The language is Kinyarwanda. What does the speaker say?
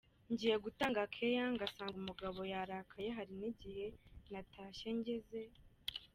ngiye gutanga care ngasanga umugabo yarakaye hari n’igihe natashye ngeze.